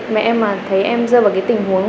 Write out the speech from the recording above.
mẹ em mà thấy em dơ vào cái tình huống